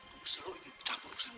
kamu selalu ikut campur urusan gue